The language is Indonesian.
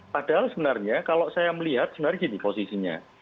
padahal sebenarnya kalau saya melihat sebenarnya gini posisinya